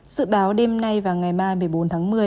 dự báo đêm nay và ngày mai một mươi bốn tháng một mươi